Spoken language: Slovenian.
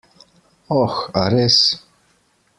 Oh, a res?